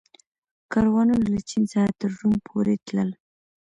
کاروانونه له چین څخه تر روم پورې تلل